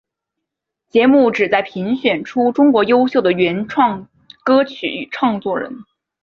节目旨在评选出中国优秀的原创歌曲与唱作人。